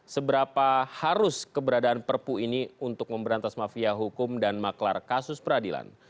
seberapa harus keberadaan perpu ini untuk memberantas mafia hukum dan maklar kasus peradilan